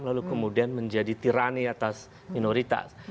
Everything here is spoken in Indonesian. lalu kemudian menjadi tirani atas minoritas